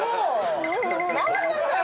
何なんだよ！